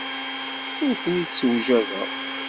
Ur ken-id-ssewjadeɣ.